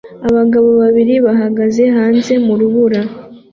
Abagabo babiri bahagaze hanze mu rubura